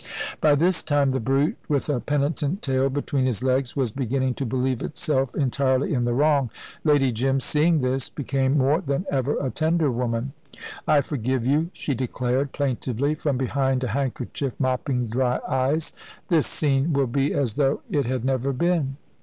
By this time, the brute, with a penitent tail between its legs, was beginning to believe itself entirely in the wrong. Lady Jim, seeing this, became more than ever a tender woman. "I forgive you," she declared, plaintively, from behind a handkerchief mopping dry eyes; "this scene will be as though it had never been."